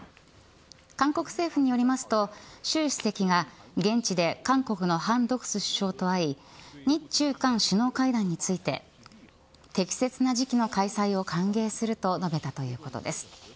韓国政府によりますと習主席が現地で韓国の韓悳洙首相と会い日中韓首脳会談について適切な時期の開催を歓迎すると述べたということです。